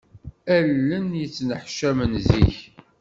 Allen yettneḥcamen zik.